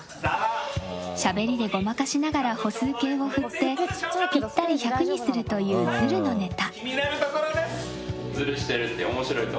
しゃべりでごまかしながら歩数計を振ってぴったり１００にするというズルのネタ。